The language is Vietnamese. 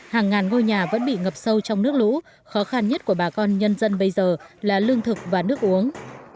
hàng ngàn ngôi nhà vẫn bị ngập sâu trong nước lũ khó khăn nhất của bà con nhân dân bây giờ là lương thực và nước uống